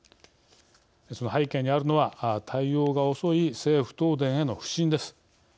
その背景にあるのは対応が遅い政府・東電への不信です。